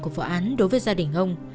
của vợ án đối với gia đình ông